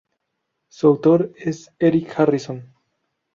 Su autor es Erik Harrison.